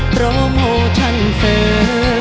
โปรโมชั่นเสริม